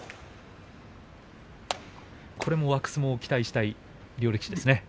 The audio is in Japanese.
これも沸く相撲を期待したい両力士ですね。